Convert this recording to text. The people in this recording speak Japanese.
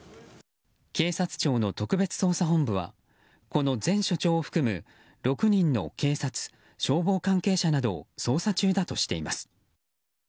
警察庁の特別捜査本部はこの前署長を含む６人の警察・消防関係者などを捜査中だとしています。